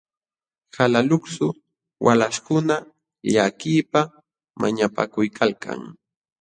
Qalaluksu walaśhkuna llakiypaq mañapakuykalkan.